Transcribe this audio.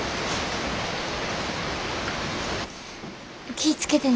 気ぃ付けてな。